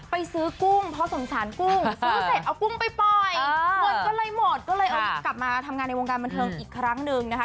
ไปซื้อกุ้งเพราะสงสารกุ้งซื้อเสร็จเอากุ้งไปปล่อยเงินก็เลยหมดก็เลยเอากลับมาทำงานในวงการบันเทิงอีกครั้งหนึ่งนะคะ